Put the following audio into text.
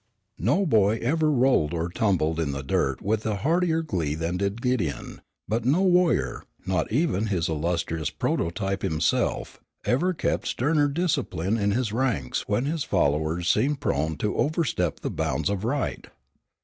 No boy ever rolled or tumbled in the dirt with a heartier glee than did Gideon, but no warrior, not even his illustrious prototype himself, ever kept sterner discipline in his ranks when his followers seemed prone to overstep the bounds of right.